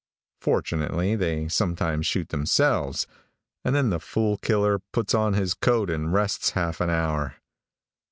Fortunately they sometimes shoot themselves, and then the fool killer puts his coat on and rests half an hour.